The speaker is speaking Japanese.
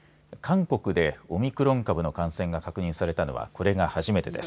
韓国でオミクロン株の感染が確認されたのはこれが初めてです。